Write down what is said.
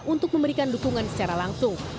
untuk memberikan dukungan secara langsung